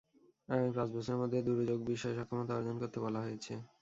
আগামী পাঁচ বছরের মধ্যে দুর্যোগ বিষয়ে সক্ষমতা অর্জন করতে বলা হয়েছে।